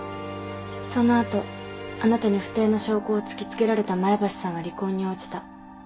その後あなたに不貞の証拠を突き付けられた前橋さんは離婚に応じた。